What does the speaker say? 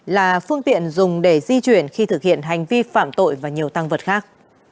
là phương tiện dùng để di chuyển khi thực hiện hành vi phạm tội và nhiều tăng vật khác